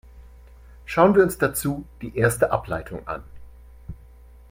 Schauen wir uns dazu die erste Ableitung an.